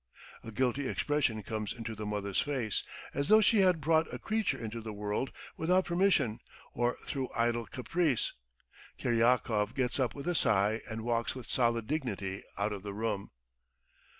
A guilty expression comes into the mother's face, as though she had brought a creature into the world without permission or through idle caprice. Kiryakov gets up with a sigh and walks with solid dignity out of the room.